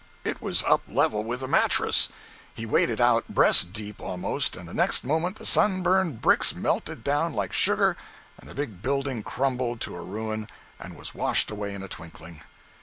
It was up level with the mattress! He waded out, breast deep, almost, and the next moment the sun burned bricks melted down like sugar and the big building crumbled to a ruin and was washed away in a twinkling.